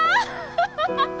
ハハハハ！